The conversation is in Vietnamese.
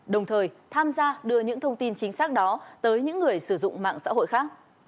đồng thời tham gia đưa những thông tin chính xác đó tới những người sử dụng mạng xã hội khác